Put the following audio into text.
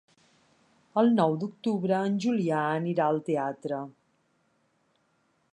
El nou d'octubre en Julià anirà al teatre.